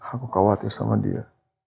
aku khawatir sama dia